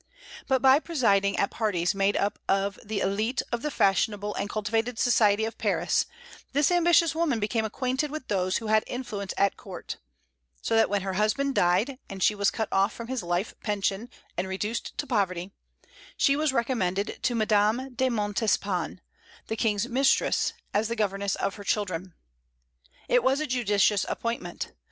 But by presiding at parties made up of the élite of the fashionable and cultivated society of Paris, this ambitious woman became acquainted with those who had influence at court; so that when her husband died, and she was cut off from his life pension and reduced to poverty, she was recommended to Madame de Montespan, the King's mistress, as the governess of her children. It was a judicious appointment.